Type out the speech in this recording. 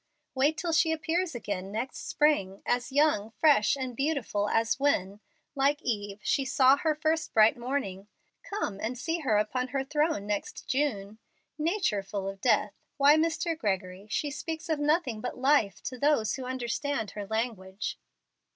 Wait till she appears again next spring, as young, fresh, and beautiful as when, like Eve, she saw her first bright morning. Come and see her upon her throne next June. Nature full of death! Why, Mr. Gregory, she speaks of nothing but life to those who understand her language."